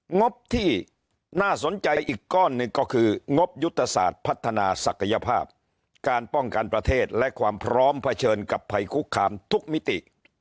งบที่น่าสนใจอีกก้อนหนึ่งก็คืองบยุทธศาสตร์พัฒนาศักยภาพการป้องกันประเทศและความพร้อมเผชิญกับภัยคุกคามทุกมิติ